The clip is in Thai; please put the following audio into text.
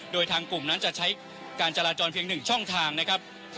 โดยทางกลุ่มนั้นจะใช้การจราจรเพียง๑ช่องทางนะครับ